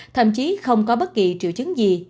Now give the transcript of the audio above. thậm chí không có bất kỳ triệu chứng gì